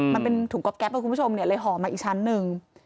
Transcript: มันเป็นถุงกัพแก๊ปเดี๋ยวเลยหอออีกชั้นหนึ่ง